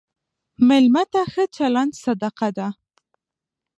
مېلمه ته ښه چلند صدقه ده.